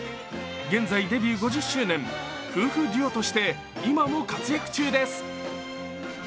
現在、デビュー５０周年、夫婦デュオとして今も活躍中です。